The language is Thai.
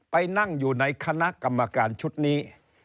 ไปนั่งอยู่ในคณะกรรมการชุดนี้